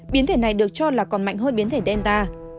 biến thể này được cho là còn mạnh hơn biến thể delta